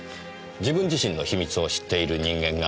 自分自身の秘密を知っている人間が身近にいる。